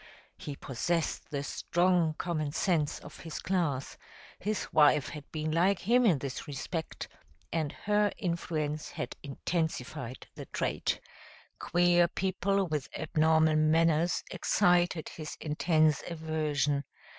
He possessed the strong common sense of his class; his wife had been like him in this respect, and her influence had intensified the trait. Queer people with abnormal manners excited his intense aversion.